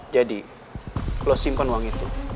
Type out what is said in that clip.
jadi lo simpen uang itu